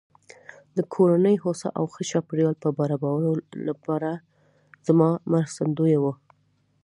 د کورنۍ هوسا او ښه چاپېريال په برابرولو سره زما مرستندويه وه.